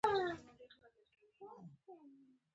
د شلګر د نوم اصل او ریښه: